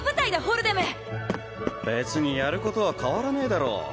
ホルデム別にやることは変わらねえだろ？